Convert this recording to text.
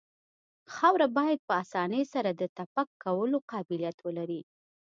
خاوره باید په اسانۍ سره د تپک کولو قابلیت ولري